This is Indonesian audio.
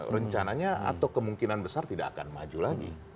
rencananya atau kemungkinan besar tidak akan maju lagi